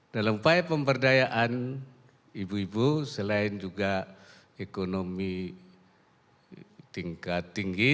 dalam upaya pemberdayaan ibu ibu selain juga ekonomi tingkat tinggi